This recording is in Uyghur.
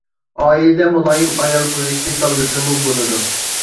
ئائىلىدە مۇلايىم ئايال بولۇشنى تاللىسىمۇ بولىدۇ.